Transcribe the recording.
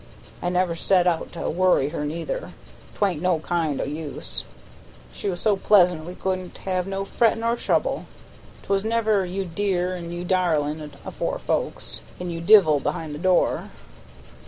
I never set out to worry her neither, 'twa'n't no kind o' use; she was so pleasant we couldn't have no fret nor trouble. 'Twas never 'you dear an' you darlin'' afore folks, an' 'you divil' behind the door!"